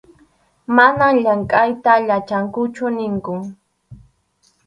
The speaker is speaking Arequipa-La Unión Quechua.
Manam llamkʼayta yachankuchu ninkun.